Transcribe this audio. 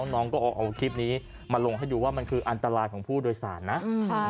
น้องก็เอาคลิปนี้มาลงให้ดูว่ามันคืออันตรายของผู้โดยสารนะ